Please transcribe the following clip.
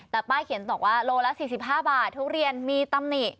แต่ป้าเขียนบอกว่าโลละ๔๕บาททุเรียนมีตำหนิ